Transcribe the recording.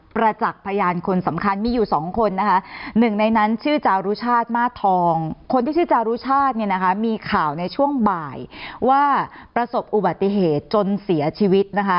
ประจักษ์พยานคนสำคัญมีอยู่สองคนนะคะหนึ่งในนั้นชื่อจารุชาติมาสทองคนที่ชื่อจารุชาติเนี่ยนะคะมีข่าวในช่วงบ่ายว่าประสบอุบัติเหตุจนเสียชีวิตนะคะ